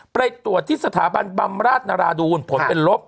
ไปตรวจที่สถาบันบำราชนราดูลผลเป็นลบ